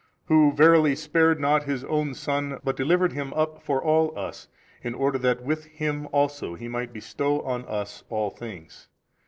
Who verily spared not His own Son but delivered Him up for all us in order that with Him also He might bestow on us all things.